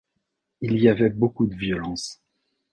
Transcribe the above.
Il y avait beaucoup de violence.